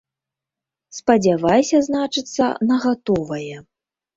Спадзявайся, значыцца, на гатовае.